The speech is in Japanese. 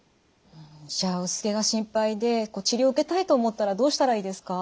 じゃあ薄毛が心配で治療を受けたいと思ったらどうしたらいいですか？